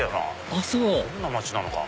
あっそうどんな街なのか。